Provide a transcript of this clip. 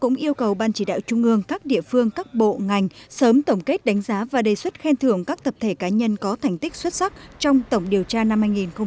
cũng yêu cầu ban chỉ đạo trung ương các địa phương các bộ ngành sớm tổng kết đánh giá và đề xuất khen thưởng các tập thể cá nhân có thành tích xuất sắc trong tổng điều tra năm hai nghìn một mươi chín